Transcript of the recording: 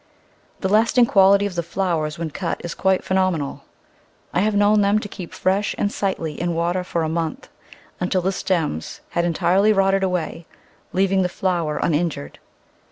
The lasting quality of the flowers when cut is quite phenomenal. I have known them to keep fresh and sightly in water for a month, until the stems had en tirely rotted away, leaving the flower uninjured.